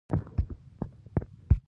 دوام لري ...